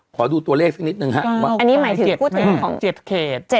ขอดูตัวเลขสักนิดหนึ่งครับว่าห้าก้าวกาย๗เนี่ย๗เขต